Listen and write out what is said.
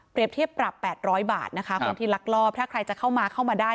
เทียบปรับ๘๐๐บาทนะคะคนที่ลักลอบถ้าใครจะเข้ามาเข้ามาได้